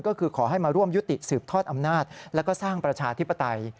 ก็คือขอให้มาร่วมยุติสืบทอดอำนาจแล้วก็สร้างประชาธิปไตย